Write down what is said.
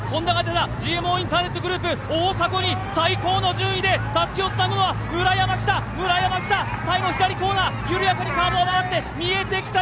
ＧＭＯインターネットグループの大迫に最高の形でたすきをつなぐのは、村山来た、最後左コーナー、緩やかにカーブを曲がって見えてきた。